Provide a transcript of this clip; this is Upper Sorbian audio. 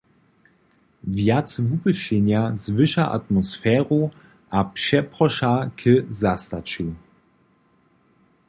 Wjac wupyšenja zwyša atmosferu a přeproša k zastaću.